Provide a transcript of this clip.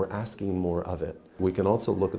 và sức mạnh của năng lực